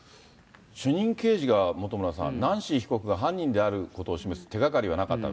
主任刑事が、本村さん、ナンシー被告が犯人であることを示す手がかりはなかった。